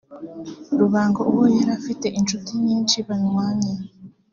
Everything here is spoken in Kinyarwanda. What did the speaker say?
Rubango uwo yari afite inshuti nyinshi banywanye